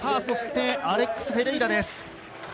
そして、アレックス・フェレイラ。